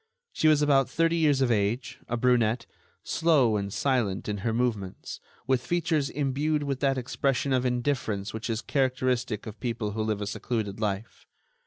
She was about thirty years of age, a brunette, slow and silent in her movements, with features imbued with that expression of indifference which is characteristic of people who live a secluded life.